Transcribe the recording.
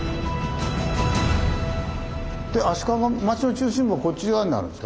で足利町の中心部はこっち側になるんですか？